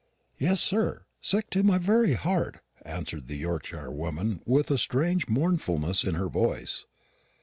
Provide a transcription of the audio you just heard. "Yes, sir; sick to my very heart," answered the Yorkshirewoman, with a strange mournfulness in her voice.